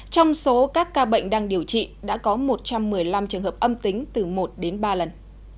trong số các ca bệnh đang điều trị đã có một trăm một mươi năm trường hợp âm tính từ một đến ba lần